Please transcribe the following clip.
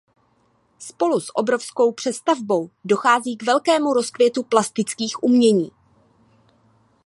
Spolu s obrovskou přestavbou dochází k velkému rozkvětu plastických umění.